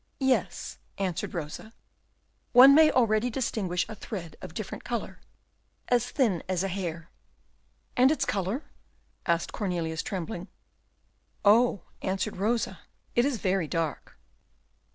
"Yes," answered Rosa, "one may already distinguish a thread of different colour, as thin as a hair." "And its colour?" asked Cornelius, trembling. "Oh," answered Rosa, "it is very dark!"